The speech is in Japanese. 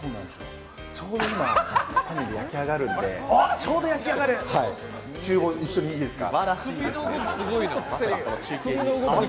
ちょうど今、パヌレ焼き上がるんで、ちゅう房、一緒にいいですか。